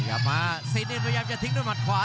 มาธนาศินินพยายามจะทิ้งด้วยมัดขวา